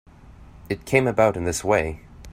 It came about in this way.